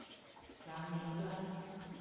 楊梅端